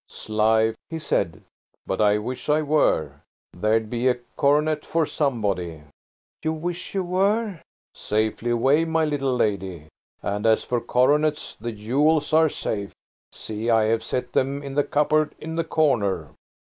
"S'life!" he said. "But I wish I were. There'd be a coronet for somebody." "You wish you were–" "Safely away, my little lady. And as for coronets, the jewels are safe. See, I have set them in the cupboard in the corner."